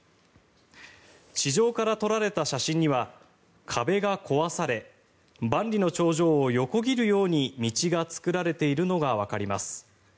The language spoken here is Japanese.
地上から撮られた写真には壁が壊され万里の長城を横切るように道が作られているのがわかります。